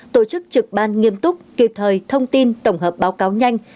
tổ chức trực ban nghiêm túc kịp thời thông tin tổng hợp báo cáo nhanh